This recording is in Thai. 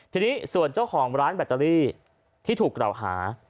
ทีนี้ส่วนเจ้าของร้านแบตเตอรี่ที่ถูกกล่าวหา